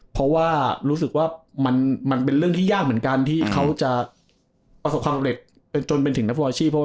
เพราะรู้สึกว่ามันเป็นเรื่องยากเหมือนกันเพราะเป็นการประสบความสำเร็จจนถึงนัฟโลยาชี